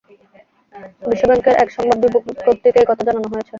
বিশ্বব্যাংকের এক সংবাদ বিজ্ঞপ্তিতে এ কথা জানানো হয়েছে।